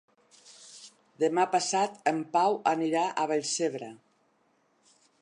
Demà passat en Pau anirà a Vallcebre.